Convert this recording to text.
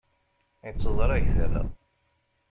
Itteḍṛag tala.